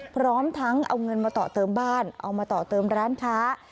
พร้อมทั้งเอาเงินมาต่อเติมบ้านเอามาต่อเติมร้านค้า